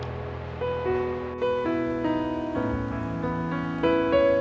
จริงนะครับ